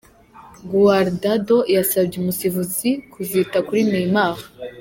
Guardado yasabye umusifuzi kuzita kuri Neymar.